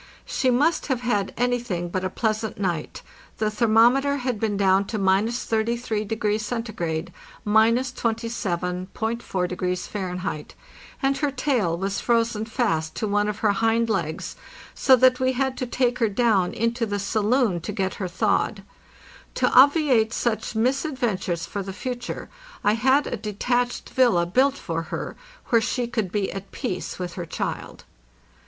She must have had anything but a pleasant night—the thermometer had been down to — 33° C. (—27.4° Fahr.)—and her tail was frozen fast to one of her hind legs, so that we had to take her down into the sa loon to get her thawed. To obviate such misadventures for the future I had a detached villa built for her where she could be at peace with her child.